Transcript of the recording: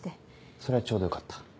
それはちょうどよかった。